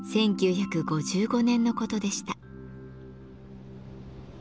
１９５５年のことでした。